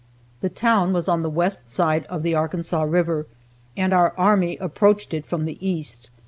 The town was on the west side of the Arkansas river, and our army approached it from the east.